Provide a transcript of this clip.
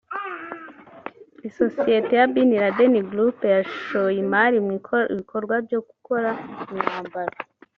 Isosiyete ya “Bin Ladin Group” yashoye imari mu bikorwa byo gukora imyambaro